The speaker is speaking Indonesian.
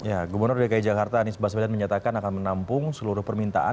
ya gubernur dki jakarta anies baswedan menyatakan akan menampung seluruh permintaan